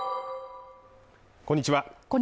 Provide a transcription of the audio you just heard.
こんにちは